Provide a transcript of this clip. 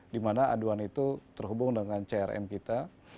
dimana aduan itu terhubung dengan crm kita